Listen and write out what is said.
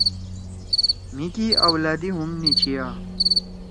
مھی کی آولادی ھم نی چھیا۔